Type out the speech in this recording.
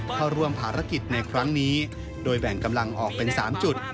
เข้าร่วมภารกิจในครั้งนี้โดยแบ่งกำลังออกเป็น๓จุด